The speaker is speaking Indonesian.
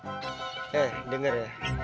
eh denger ya